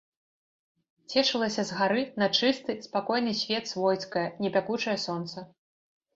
Цешылася з гары на чысты, спакойны свет свойскае, не пякучае сонца.